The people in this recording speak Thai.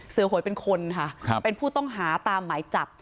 หวยเป็นคนค่ะเป็นผู้ต้องหาตามหมายจับ